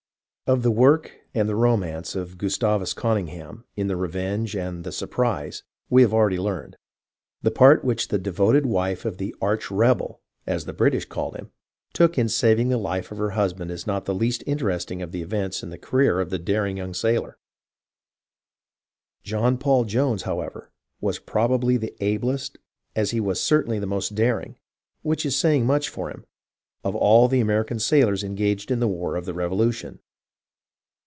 Of the work (and the romance) of Gustavus Conyngham in the Revenge and the Surprise, we have already learned ; the part which the devoted wife of the " arch rebel," as the British called him, took in saving the life of her husband is not the least interesting of the events in the career of the daring young sailor. John Paul Jones, however, was probably the ablest, as he certainly was the most daring, which is saying much for him, of all the American sailors engaged in the war of the Revolution.